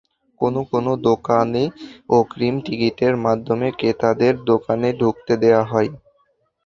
কোনো কোনো দোকানে অগ্রীম টিকিটের মাধ্যমে ক্রেতাদের দোকানে ঢুকতে দেওয়া হয়।